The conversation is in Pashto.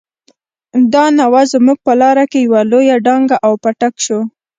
دا ناوه زموږ په لاره کې يوه لويه ډانګه او پټک شو.